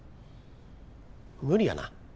無理やな。